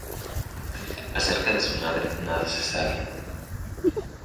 Acerca de su madre nada se sabe.